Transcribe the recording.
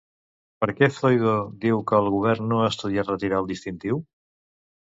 Per què Zoido diu que el govern no ha estudiat retirar el distintiu?